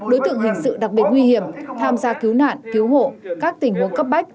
đối tượng hình sự đặc biệt nguy hiểm tham gia cứu nạn cứu hộ các tình huống cấp bách